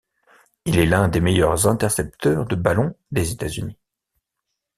Il est l'un des meilleurs intercepteurs de ballons des États-Unis.